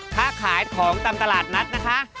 ค้าขายของตามตลาดนัดนะคะ